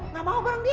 enggak mau bareng dia